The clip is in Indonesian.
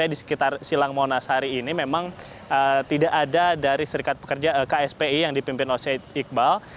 di sekitar silang monas hari ini memang tidak ada dari serikat pekerja kspi yang dipimpin oleh syed iqbal